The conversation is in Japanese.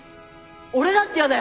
俺だってやだよ。